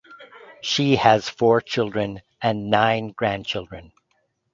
She has four children and nine grandchildren.